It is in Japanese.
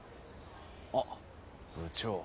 あっ部長